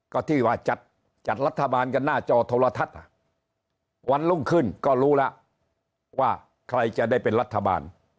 ก็ที่ว่าจัดรัฐบาลกันหน้าจอโทรทัศน์วันรุ่งขึ้นก็รู้แล้วว่าใครจะได้เป็นรัฐบาล